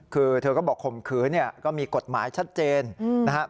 คือเธอก็บอกข่มขืนเนี่ยก็มีกฎหมายชัดเจนนะครับ